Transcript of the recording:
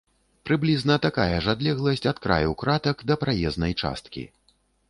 Прыблізна такая ж адлегласць ад краю кратак да праезнай часткі.